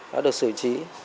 đã được xử trí